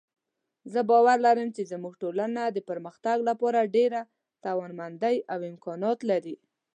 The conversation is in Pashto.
زه باور لرم چې زموږ ټولنه د پرمختګ لپاره ډېره توانمندۍ او امکانات لري